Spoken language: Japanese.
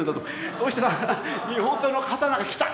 そうしたら日本刀の刀が来た！